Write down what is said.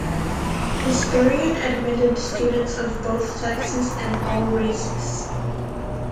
Hesperian admitted students of both sexes and all races.